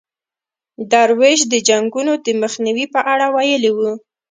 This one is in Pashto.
درویش د جنګونو د مخنیوي په اړه ویلي وو.